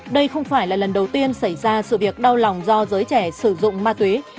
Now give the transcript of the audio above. đây không phải là lần đầu tiên xảy ra sự việc đau lòng do giới trẻ sử dụng ma túy